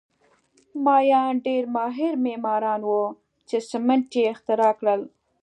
مایان ډېر ماهر معماران وو چې سیمنټ یې اختراع کړل